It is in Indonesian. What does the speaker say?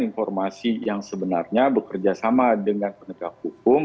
informasi yang sebenarnya bekerja sama dengan penegak hukum